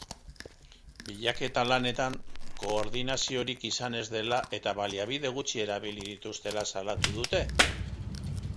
Bilaketa lanetan koordinaziorik izan ez dela eta baliabide gutxi erabili dituztela salatu dute.